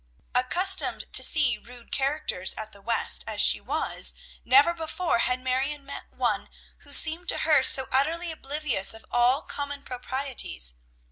Accustomed to see rude characters at the West as she was, never before had Marion met one who seemed to her so utterly oblivious of all common proprieties.